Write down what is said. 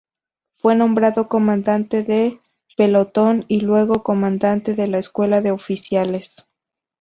Fue nombrado comandante de pelotón, y luego comandante en la escuela de oficiales.